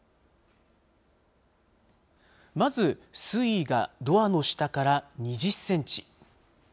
まず、水位がドアの下から２０センチ。